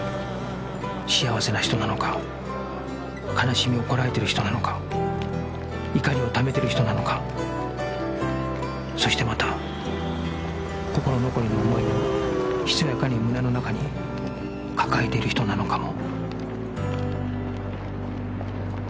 幸せな人なのか悲しみをこらえている人なのか怒りをためてる人なのかそしてまた心残りの思いを密やかに胸の中に抱えてる人なのかも